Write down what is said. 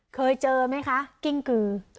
เคยเจอไหมคะกิ้งกือ